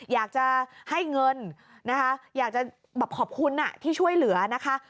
อยากจะให้เงินนะคะอยากจะแบบขอบคุณที่ช่วยเหลือนะคะ